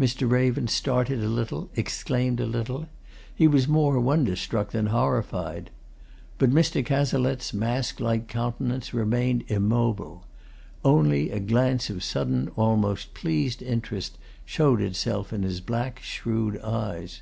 Mr. Raven started a little; exclaimed a little: he was more wonder struck than horrified. But Mr. Cazalette's mask like countenance remained immobile; only, a gleam of sudden, almost pleased interest showed itself in his black, shrewd eyes.